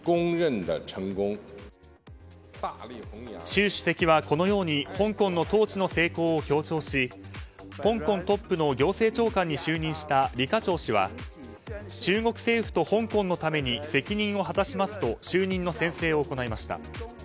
習主席はこのように香港の統治の成功を強調し香港トップの行政長官に就任したリ・カチョウ氏は中国政府と香港のために責任を果たしますと就任の宣誓を行いました。